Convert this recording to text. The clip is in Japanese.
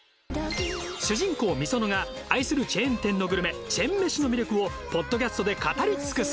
主人公美園が愛するチェーン店のグルメチェンメシの魅力をポッドキャストで語り尽くす。